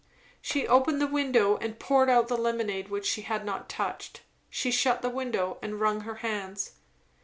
She opened the window and poured out the lemonade which she had not touched; she shut the window and wrung her hands.